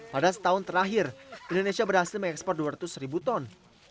pada setahun terakhir indonesia berhasil mengekspor dua ratus ribu ton